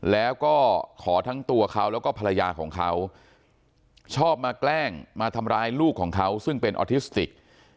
แล้วก็ขอทั้งตัวเขาแล้วก็ภรรยาของเขาชอบมาแกล้งมาทำร้ายลูกของเขาซึ่งเป็นออทิสติก